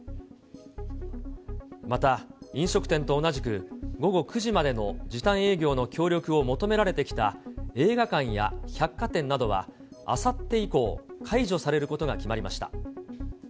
また飲食店と同じく午後９時までの時短営業の協力を求められてきた映画館や百貨店などはあさって以降、解除されることが決まりました。